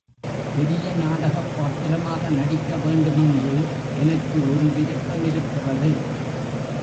பெரிய நாடகப் பாத்திரமாக நடிக்கவேண்டுமென்று எனக்கு ஒரு விருப்பமிருக்கிறது.